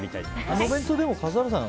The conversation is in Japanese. あのお弁当、笠原さん